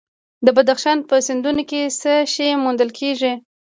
د بدخشان په سیندونو کې څه شی موندل کیږي؟